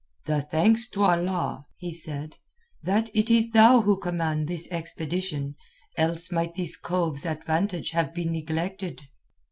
"The thanks to Allah," he said, "that it is thou who command this expedition, else might this coves advantages have been neglected."